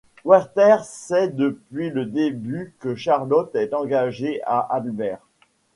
Werther sait depuis le début que Charlotte est engagée à Albert.